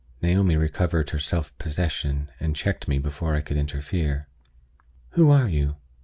Naomi recovered her self possession, and checked me before I could interfere. "Who are you?"